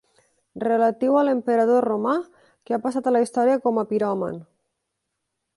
Relatiu a l'emperador romà que ha passat a la història com a piròman.